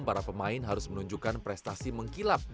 para pemain harus menunjukkan prestasi mengkilap